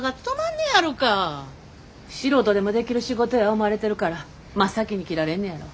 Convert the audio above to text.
素人でもできる仕事や思われてるから真っ先に切られんねやろ。